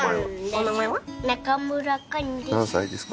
中村貫です。